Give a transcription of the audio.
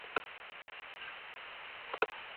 Biografía oficial